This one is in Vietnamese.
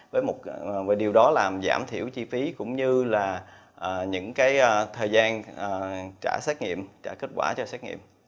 và điều đó làm giảm thiểu chi phí cũng như là những thời gian trả xét nghiệm trả kết quả cho xét nghiệm